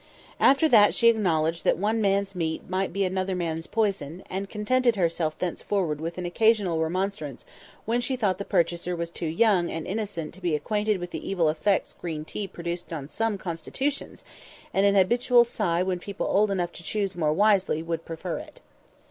After that she acknowledged that "one man's meat might be another man's poison," and contented herself thence forward with an occasional remonstrance when she thought the purchaser was too young and innocent to be acquainted with the evil effects green tea produced on some constitutions, and an habitual sigh when people old enough to choose more wisely would prefer it.